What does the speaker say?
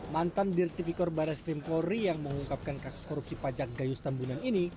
mantan dirtipikor baras krim polri yang mengungkapkan kasus korupsi pajak gayus tambunan ini